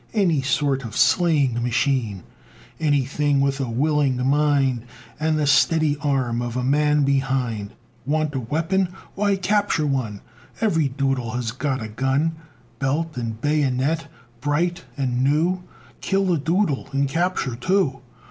Any sort of slaying machine! Anything with a willing mind, And the steady arm of a man behind. Want a weapon? Why, capture one! Every Doodle has got a gun, Belt, and bayonet, bright and new; Kill a Doodle, and capture two!